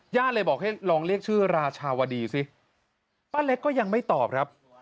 เลยบอกให้ลองเรียกชื่อราชาวดีสิป้าเล็กก็ยังไม่ตอบครับ